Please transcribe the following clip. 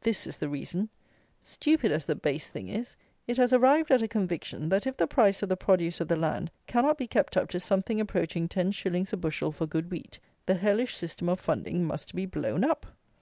This is the reason: stupid as the base thing is, it has arrived at a conviction, that if the price of the produce of the land cannot be kept up to something approaching ten shillings a bushel for good wheat, the hellish system of funding must be blown up.